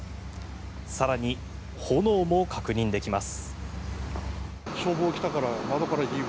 更に、炎も確認できます。